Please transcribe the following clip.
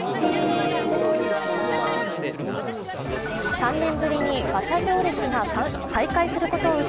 ３年ぶりに馬車行列が再開することを受け